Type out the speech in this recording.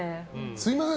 すみません。